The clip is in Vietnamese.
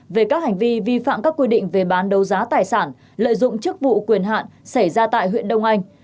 về các hành vi vi phạm các quy định về bán đấu giá tài sản lợi dụng chức vụ quyền hạn xảy ra tại huyện đông anh